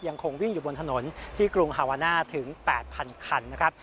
ยังคงวิ่งอยู่บนถนนที่กรุงฮาวาน่าถึง๘๐๐คันนะครับ